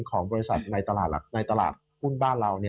ของบริษัทในตลาดหุ้นบ้านเรา